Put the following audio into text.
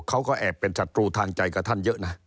เขาก็แอบเป็นศัตรูทางใจกับท่านเยอะนะ